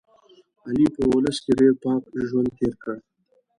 علي په اولس کې ډېر پاک ژوند تېر کړ.